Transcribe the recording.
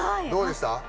どうでした？